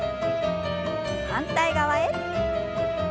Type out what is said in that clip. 反対側へ。